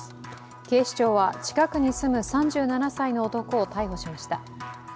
警視庁は近くに住む３７歳の男を逮捕しました。